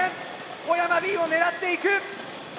小山Ｂも狙っていく。